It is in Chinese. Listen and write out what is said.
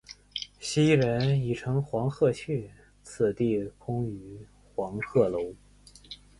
昔人已乘黄鹤去，此地空余黄鹤楼。